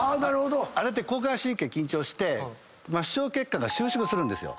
あれって交感神経緊張して末梢血管が収縮するんですよ。